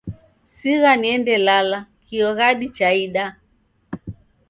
Sigha niendelala kio ghadi chaida.